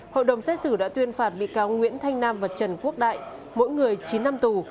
hội đồng xét xử đã tuyên phạt bị cáo nguyễn thanh nam và trần quốc đại mỗi người chín năm tù